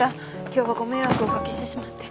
今日はご迷惑をおかけしてしまって。